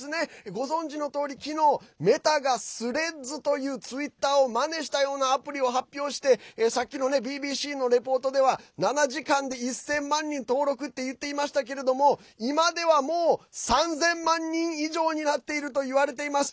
ご存じのとおり、昨日メタがスレッズというツイッターをまねしたようなアプリを発表してさっきのＢＢＣのレポートでは７時間で１０００万人登録って言ってましたけれども今では、もう３０００万人以上になっているといわれています。